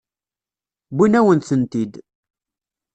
Wwin-awen-tent-id.